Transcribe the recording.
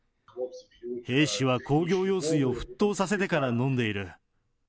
兵士は工業用水を沸騰させてから飲んでいる。